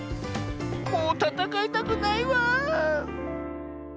もうたたかいたくないワーン」。